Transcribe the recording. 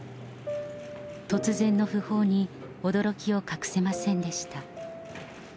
突然の訃報に驚きを隠せませんでした。